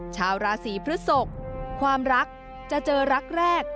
ชาวราศีพฤศกความรักจะเจอรักแรก